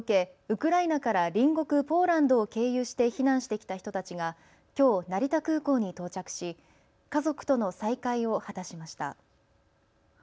ウクライナから隣国ポーランドを経由して避難してきた人たちがきょう成田空港に到着し家族との再会を果たしました。